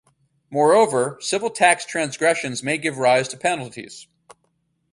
Moreover, civil tax transgressions may give rise to penalties.